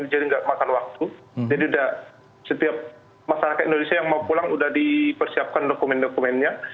jadi tidak makan waktu jadi sudah setiap masyarakat indonesia yang mau pulang sudah dipersiapkan dokumen dokumennya